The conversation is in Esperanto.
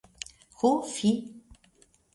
Ho fi!